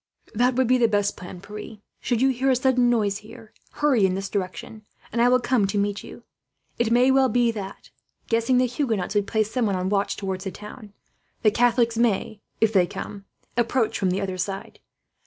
"That would be the best plan, Pierre. Should you hear a sudden noise here, hurry in this direction, and I will come to meet you. It may well be that, guessing the Huguenots would place someone on watch towards the town, the Catholics may, if they come, approach from the other side.